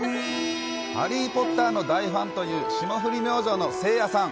ハリー・ポッターの大ファンという霜降り明星のせいやさん。